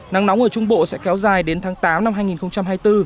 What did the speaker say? nắng nóng ở trung bộ sẽ kéo dài đến tháng tám năm hai nghìn hai mươi bốn